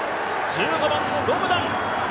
１５番のロムダン。